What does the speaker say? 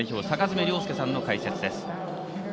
坂爪亮介さんの解説です。